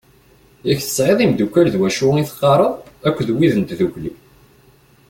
Yak tesɛiḍ imddukal d wacu i teɣɣareḍ akked wid n tddukli.